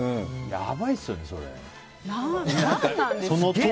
やばいですよね、それ。